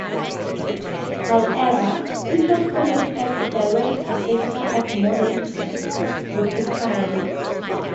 However, it was probably not a direct ancestor of modern porcupines.